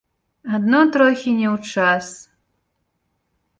Адно трохі не ў час.